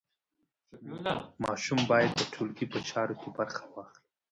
ماشوم باید د ټولګي په چارو کې برخه واخلي.